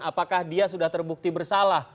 apakah dia sudah terbukti bersalah